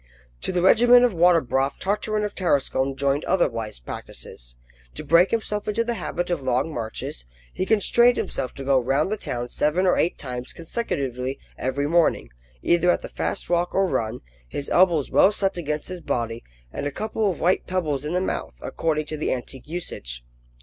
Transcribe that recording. To the regimen of water broth Tartarin of Tarascon joined other wise practices. To break himself into the habit of long marches, he constrained himself to go round the town seven or eight times consecutively every morning, either at the fast walk or run, his elbows well set against his body, and a couple of white pebbles in the mouth, according to the antique usage.